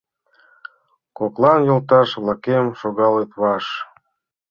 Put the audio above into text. Коклан йолташ-влакем шогалыт ваш: